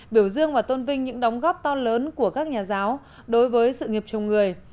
biểu dương và tôn vinh những đóng góp to lớn của các nhà giáo đối với sự nghiệp chồng người